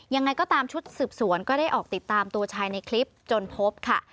ยังไงก็ตามชุดสืบสวนก็ได้ออกติดตามตัวชายในคลิปจนพบค่ะ